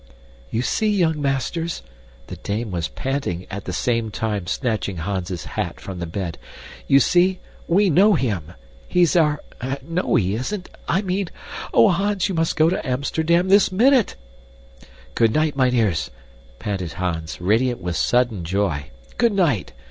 "You see, young masters." The dame was panting, at the same time snatching Hans's hat from the bed, "you see we know him. He's our no, he isn't. I mean oh, Hans, you must go to Amsterdam this minute!" "Good night, mynheers," panted Hans, radiant with sudden joy. "Good night.